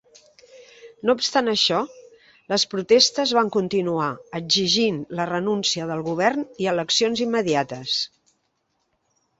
No obstant això, les protestes van continuar, exigint la renúncia del govern i eleccions immediates.